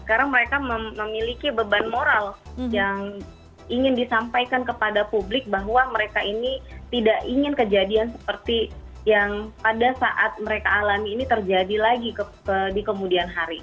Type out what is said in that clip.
karena mereka memiliki beban moral yang ingin disampaikan kepada publik bahwa mereka ini tidak ingin kejadian seperti yang pada saat mereka alami ini terjadi lagi di kemudian hari